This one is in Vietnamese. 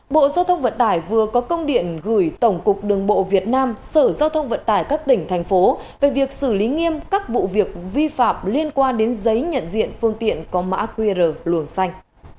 bộ giao thông vận tải vừa có công điện gửi tổng cục đường bộ việt nam sở giao thông vận tải các tỉnh thành phố về việc xử lý nghiêm các vụ việc vi phạm liên quan đến giấy nhận diện phương tiện có mã qr luồng xanh